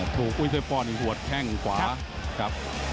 ถูกอุ้ยเศรษฐ์ป่อนอีกหัวแข้งของขวา